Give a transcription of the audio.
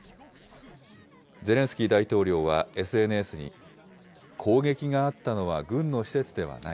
ゼレンスキー大統領はＳＮＳに、攻撃があったのは軍の施設ではない。